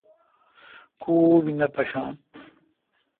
کاب نہ پشان۔